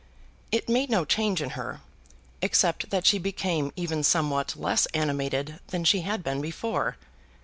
It made no change in her, except that she became even somewhat less animated than she had been before.